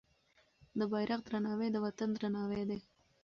د بیرغ درناوی د وطن درناوی دی.